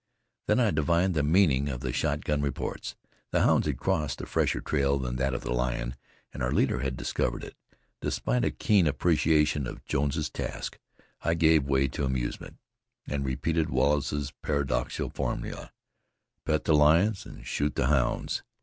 Then I divined the meaning of the shotgun reports. The hounds had crossed a fresher trail than that of the lion, and our leader had discovered it. Despite a keen appreciation of Jones's task, I gave way to amusement, and repeated Wallace's paradoxical formula: "Pet the lions and shoot the hounds."